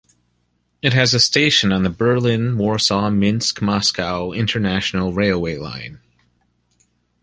It has a station on the Berlin-Warsaw-Minsk-Moscow international railway line.